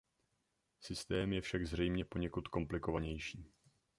Systém je však zřejmě poněkud komplikovanější.